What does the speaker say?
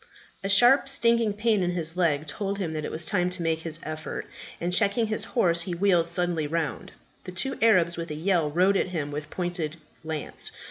A sharp stinging pain in his leg told him that it was time to make his effort; and checking his horse, he wheeled suddenly round. The two Arabs with a yell rode at him with pointed lance.